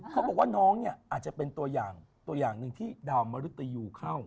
เขาบอกว่าน้องเนี่ยอาจจะเป็นตัวอย่างตัวอย่างหนึ่งที่ดาวมริตยูเข้า